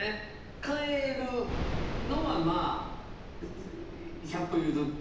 帰るのはまあ百歩譲って。